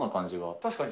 確かに。